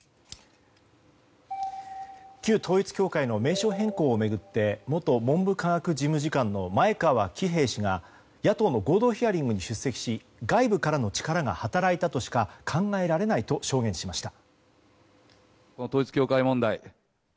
旧統一教会の名称変更を巡って元文部科学事務次官の前川喜平氏が野党の合同ヒアリングに出席し外部からの力が働いたとしか考えられないと証言しました。